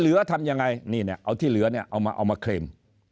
เหลือทำยังไงนี่เนี่ยเอาที่เหลือเนี่ยเอามาเคลม